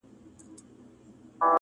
له خپله نظمه امېلونه جوړ کړم-